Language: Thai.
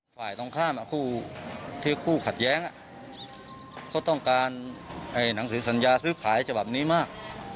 ฝ่ายตรงข้ามคู่ที่คู่ขัดแย้งเขาต้องการหนังสือสัญญาซื้อขายฉบับนี้มาก